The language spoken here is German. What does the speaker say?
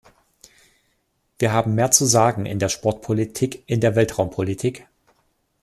Wir haben mehr zu sagen in der Sportpolitik, in der Weltraumpolitik.